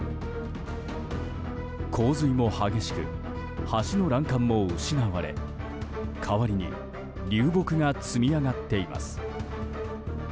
洪水も激しく、橋の欄干も失われ代わりに流木が積み上がっています。